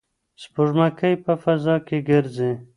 سپوږمکۍ په فضا کې ګرځي.